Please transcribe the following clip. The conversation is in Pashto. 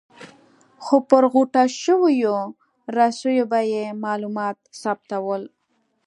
خو پر غوټه شویو رسیو به یې معلومات ثبتول.